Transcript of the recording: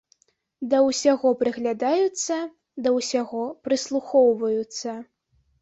Да ўсяго прыглядаюцца, да ўсяго прыслухоўваюцца.